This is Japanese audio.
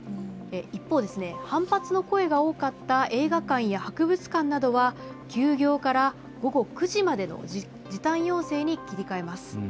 一方、反発の声が多かった映画館や博物館などは休業から、午後９時までの時短要請に切り替えます。